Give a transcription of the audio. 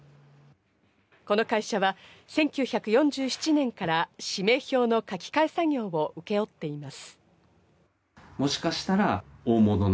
この会社は１９４７年から氏名標の書き換え作業を請け負っています。